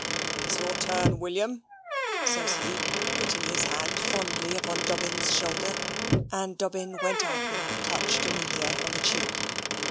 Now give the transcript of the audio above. "It's your turn, William," says he, putting his hand fondly upon Dobbin's shoulder; and Dobbin went up and touched Amelia on the cheek.